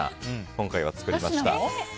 今回は作りました。